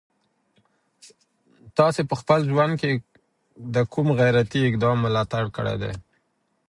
تاسي په خپل ژوند کي د کوم غیرتي اقدام ملاتړ کړی دی؟